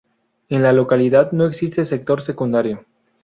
En la localidad no existe sector secundario.